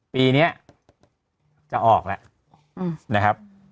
ปีนี้จะออกแล้วนะครับ